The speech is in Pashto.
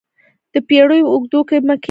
د پیړیو په اوږدو کې د مکې ښار.